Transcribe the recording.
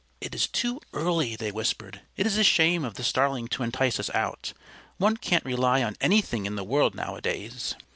"It is too early," they whispered. "It is a shame of the Starling to entice us out. One can't rely on anything in the world nowadays."